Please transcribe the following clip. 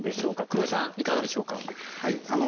黒井さん、いかがでしょうか。